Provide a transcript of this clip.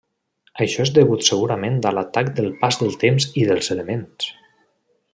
Això és degut segurament a l'atac del pas del temps i dels elements.